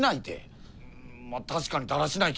まあ確かにだらしないけど。